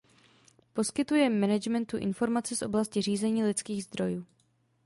Poskytuje managementu informace z oblasti řízení lidských zdrojů.